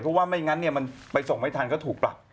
เพราะว่าไม่งั้นมันไปส่งไม่ทันก็ถูกปรับ